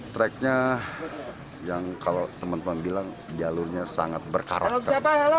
tracknya yang kalau teman teman bilang jalurnya sangat berkarakter